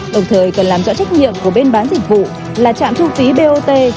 đồng thời cần làm rõ trách nhiệm của bên bán dịch vụ là trạm thu phí bot